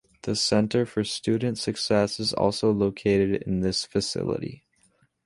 The Center for Student Success is also located in this facility.